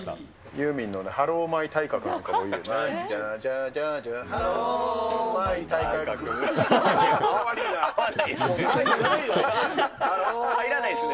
ユーミンのハロー・マイ体格なんかいいですよね。